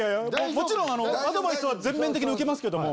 もちろんアドバイスは全面的に受けますけども。